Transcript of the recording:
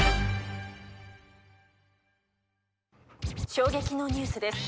衝撃のニュースです